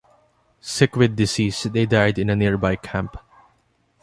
Sick with disease, they died in a nearby camp.